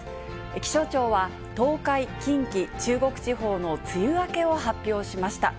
気象庁は、東海、近畿、中国地方の梅雨明けを発表しました。